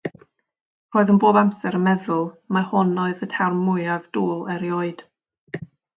Roeddwn bob amser yn meddwl mai hwn oedd y term mwyaf dwl erioed.